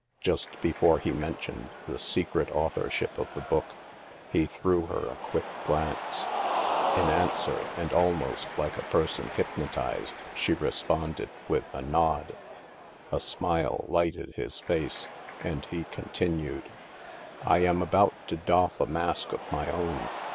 Just before he mentioned the secret authorship of the book, he threw her a quick glance. In answer, and almost like a person hypnotized, she responded with a nod. A smile lighted his face, and he continued :" I am about to doff a mask of my own.